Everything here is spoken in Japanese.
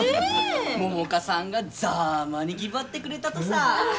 百花さんがざぁまにぎばってくれたとさぁ！